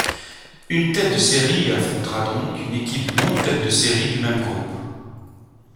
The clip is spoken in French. Une tête de série affrontera donc une équipe non-tête de série du même groupe.